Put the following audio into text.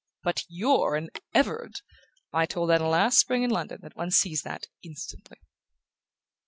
But YOU'RE an Everard I told Anna last spring in London that one sees that instantly"...